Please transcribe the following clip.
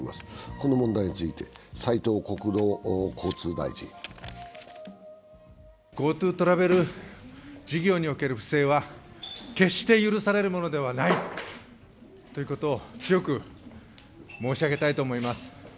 この問題について斉藤国土交通大臣はＧｏＴｏトラベル事業における不正は決して許されるものではないということを強く申し上げたいと思います。